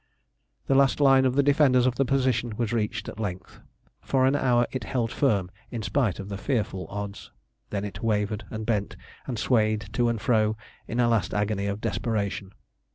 The last line of the defenders of the position was reached at length. For an hour it held firm in spite of the fearful odds. Then it wavered and bent, and swayed to and fro in a last agony of desperation.